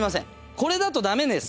これだと駄目です。